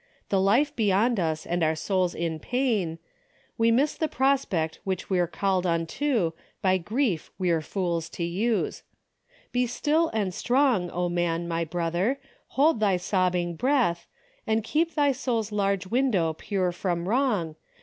The life beyond us, and our souls in pain. We miss the j^rospect which we're called unto By grief we're fools to use. Be still and strong, O man, my brother ! hold thy sobbing breath. And keep thy soul's large window pure from wrong.